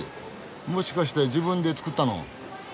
もしかして自分で作ったの？